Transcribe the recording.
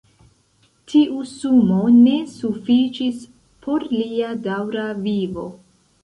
Tiu sumo ne sufiĉis por lia daŭra vivo.